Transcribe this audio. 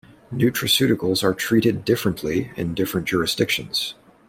Nutraceuticals are treated differently in different jurisdictions.